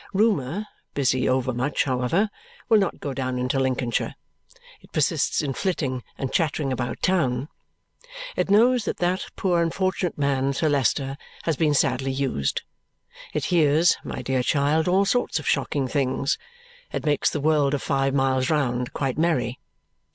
Rumour, busy overmuch, however, will not go down into Lincolnshire. It persists in flitting and chattering about town. It knows that that poor unfortunate man, Sir Leicester, has been sadly used. It hears, my dear child, all sorts of shocking things. It makes the world of five miles round quite merry.